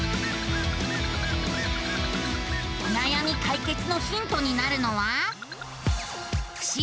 おなやみ解決のヒントになるのは。